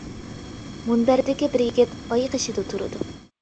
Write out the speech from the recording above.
مۇنبەردىكى بىر يىگىت، ئاي قېشىدا تۇرىدۇ.